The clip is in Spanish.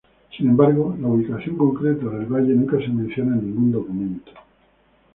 Sin embargo, la ubicación concreta del valle nunca se menciona en ningún documento.